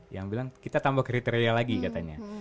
yang bilang kita tambah kriteria lagi katanya